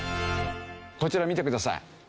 こちら見てください。